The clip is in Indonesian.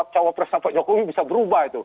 cawal presnya pak jokowi bisa berubah itu